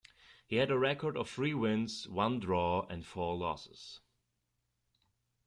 He had a record of three wins, one draw and four losses.